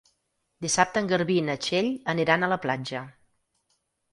Dissabte en Garbí i na Txell aniran a la platja.